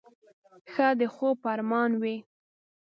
ښه د خوب په ارمان وې.